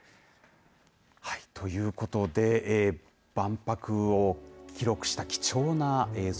ということで万博を記録した貴重な映像